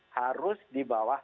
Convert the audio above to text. harus di bawah satu